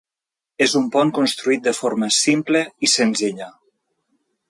És un pont construït de forma simple i senzilla.